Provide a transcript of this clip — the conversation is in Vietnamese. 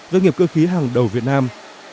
doanh nghiệp cơ khí hàng đầu việt nam